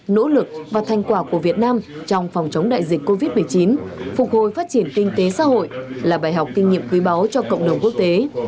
nỗ lực và thành quả của việt nam trong phòng chống đại dịch covid một mươi chín phục hồi phát triển kinh tế xã hội là bài học kinh nghiệm quý báu cho cộng đồng quốc tế